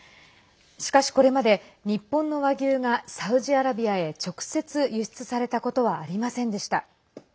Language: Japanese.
しかし、これまで日本の和牛がサウジアラビアへ直接、輸出されたことはありませんでした。